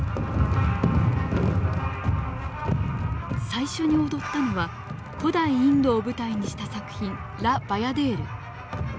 最初に踊ったのは古代インドを舞台にした作品「ラ・バヤデール」。